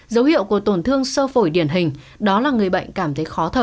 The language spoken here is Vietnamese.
dấu hiệu của tổn thương sơ phổi điển hình đó là người bệnh cảm thấy khó thở